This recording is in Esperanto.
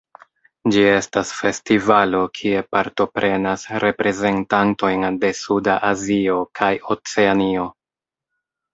Ĝi estas festivalo kie partoprenas reprezentantojn de suda Azio kaj Oceanio.